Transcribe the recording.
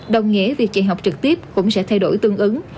đồng nghĩa việc chạy học trực tiếp cũng sẽ thay đổi tương ứng